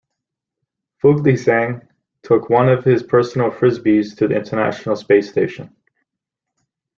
Fuglesang took one of his personal frisbees to the International Space Station.